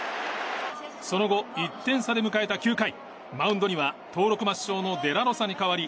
その後、１点差で迎えた９回マウンドには登録抹消のデラロサに代わり